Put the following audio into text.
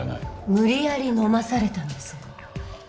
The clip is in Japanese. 無理やり飲まされたんです。